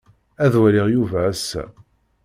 Ad waliɣ Yuba ass-a.